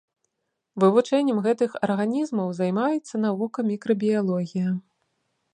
Вывучэннем гэтых арганізмаў займаецца навука мікрабіялогія.